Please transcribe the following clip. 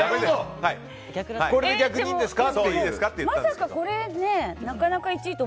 これで逆にいいんですかって。